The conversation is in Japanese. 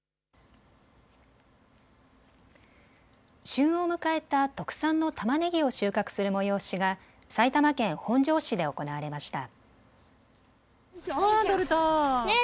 旬を迎えた特産のたまねぎを収穫する催しが埼玉県本庄市で行われました。